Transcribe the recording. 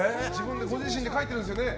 ご自身で書いてるんですよね。